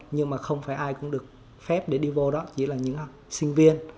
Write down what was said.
nhưng mà không phải ai cũng được phép để đi vô đó chỉ là những sinh viên